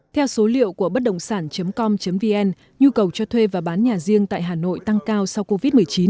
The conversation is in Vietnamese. theo số liệu của bấtđộngsản com vn nhu cầu cho thuê và bán nhà riêng tại hà nội tăng cao sau covid một mươi chín